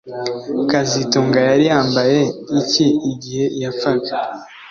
kazitunga yari yambaye iki igihe yapfaga